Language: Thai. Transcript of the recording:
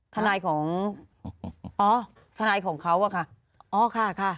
ทนายของอ๋อทนายของเขาอะค่ะอ๋อค่ะค่ะ